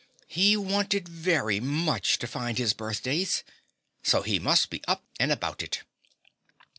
He wanted very much to find his birthdays; so he must be up and about it.